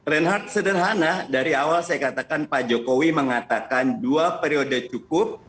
reinhardt sederhana dari awal saya katakan pak jokowi mengatakan dua periode cukup